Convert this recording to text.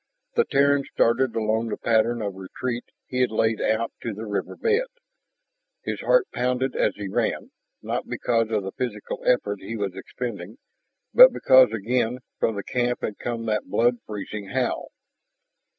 The Terran started along the pattern of retreat he had laid out to the river bed. His heart pounded as he ran, not because of the physical effort he was expending, but because again from the camp had come that blood freezing howl.